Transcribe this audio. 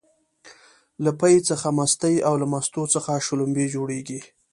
له پی څخه مستې او له مستو څخه شلومبې جوړيږي